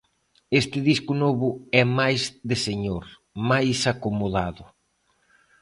Este disco novo é máis de señor, máis acomodado.